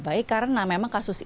mbak baik karena memang kasus ini